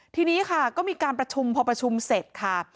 ทีนี้ค่ะก็มีการประชุมพอประชุมเสร็จค่ะ